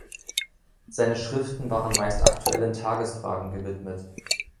Seine Schriften waren meist aktuellen Tagesfragen gewidmet.